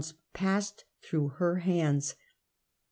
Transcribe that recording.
passed through her hands.